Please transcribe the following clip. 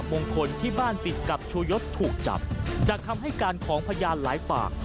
มงคลที่บ้านติดกับชูยศถูกจับจากคำให้การของพยานหลายปาก